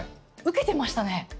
ウケてましたね。